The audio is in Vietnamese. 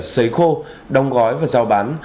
xấy khô đong gói và giao bán